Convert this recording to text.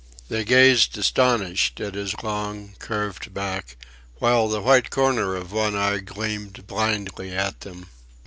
They gazed astonished at his long, curved back, while the white corner of one eye gleamed blindly at them.